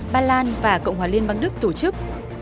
ba lan và cộng hòa liên bang đức tổ chức